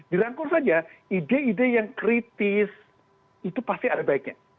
dirangkul saja ide ide yang kritis itu pasti ada baiknya